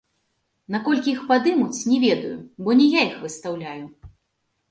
Наколькі іх падымуць, не ведаю, бо не я іх выстаўляю.